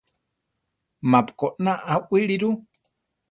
Ma-pu koná aʼwíli ru.